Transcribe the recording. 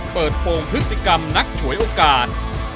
เปิดโปรงพฤติกรรมนักฉวยโอกาส